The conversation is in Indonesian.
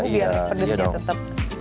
biar pedasnya tetep